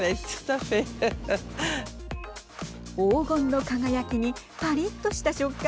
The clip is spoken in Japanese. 黄金の輝きにパリッとした食感。